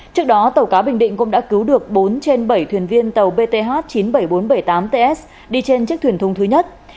trước đó tàu cá bình định cũng đã cứu được bốn trên bảy thuyền viên tàu bth chín mươi bảy nghìn bốn trăm bảy mươi tám ts đi trên chiếc thuyền thúng thứ nhất